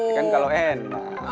ya kan kalau enak